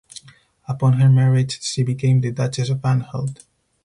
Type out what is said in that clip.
Upon her marriage she became the Duchess of Anhalt.